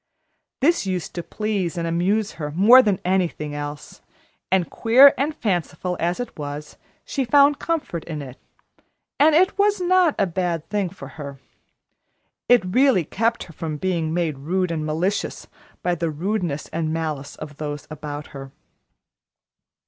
This used to please and amuse her more than anything else; and queer and fanciful as it was, she found comfort in it, and it was not a bad thing for her. It really kept her from being made rude and malicious by the rudeness and malice of those about her.